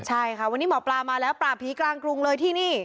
ใช่ค่ะวันนี้หมอปลามาแล้วปราบผีกลางกรุงเลยที่นี่